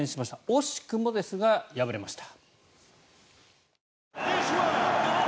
惜しくもですが敗れました。